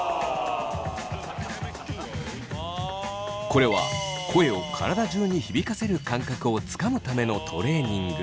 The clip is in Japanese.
これは声を体中に響かせる感覚をつかむためのトレー二ング。